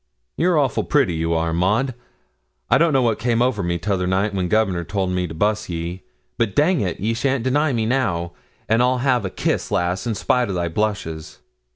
'You're awful pretty, you are, Maud. I don't know what came over me t'other night when Governor told me to buss ye; but dang it, ye shan't deny me now, and I'll have a kiss, lass, in spite o' thy blushes.'